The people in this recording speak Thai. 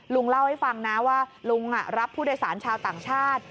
ลุงเล่าให้ฟังนะว่าลุงรับผู้โดยสารชาวต่างชาติ